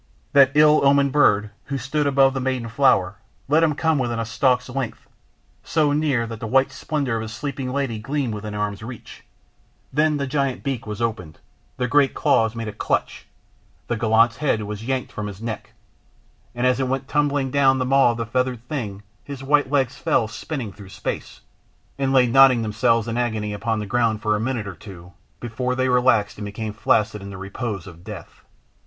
That ill omened bird who stood above the maiden flower let him come within a stalk's length, so near that the white splendour of his sleeping lady gleamed within arms' reach, then the great beak was opened, the great claws made a clutch, the gallant's head was yanked from his neck, and as it went tumbling down the maw of the feathered thing his white legs fell spinning through space, and lay knotting themselves in agony upon the ground for a minute or two before they relaxed and became flaccid in the repose of death.